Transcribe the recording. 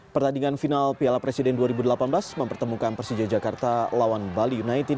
pertandingan final piala presiden dua ribu delapan belas mempertemukan persija jakarta lawan bali united